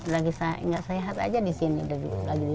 lagi nggak sehat aja di sini